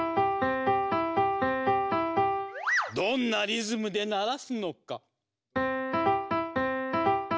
どんなリズムで鳴らすのか。